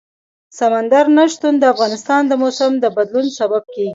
سمندر نه شتون د افغانستان د موسم د بدلون سبب کېږي.